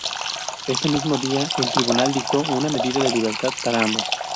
Ese mismo día el tribunal dictó una medida de libertad para ambos.